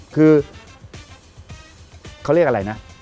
คือเขาเรียกอะไรนะ